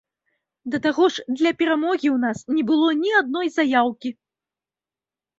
Да таго ж, для перамогі у нас не было ні адной заяўкі.